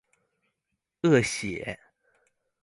惡血